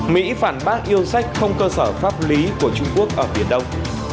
mỹ phản bác yêu sách không cơ sở pháp lý của trung quốc ở biển đông